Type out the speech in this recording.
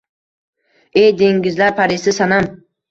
Ey dengizlar parisi, sanam!